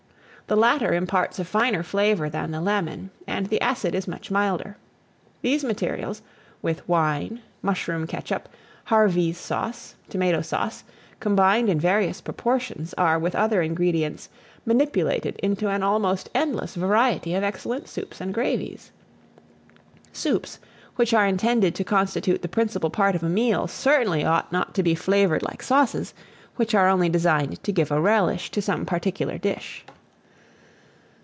The latter imparts a finer flavour than the lemon, and the acid is much milder. These materials, with wine, mushroom ketchup, Harvey's sauce, tomato sauce, combined in various proportions, are, with other ingredients, manipulated into an almost endless variety of excellent soups and gravies. Soups, which are intended to constitute the principal part of a meal, certainly ought not to be flavoured like sauces, which are only designed to give a relish to some particular dish.